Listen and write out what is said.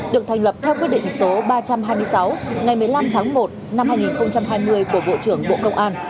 được thành lập theo quyết định số ba trăm hai mươi sáu ngày một mươi năm tháng một năm hai nghìn hai mươi của bộ trưởng bộ công an